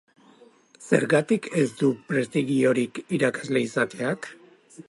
Zergatik ez du prestigiorik irakasle izateak?